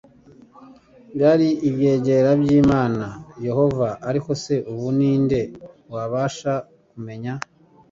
byari ibyegera by'Imana Yehova. Ariko se ubu ni nde wabasha kumenya,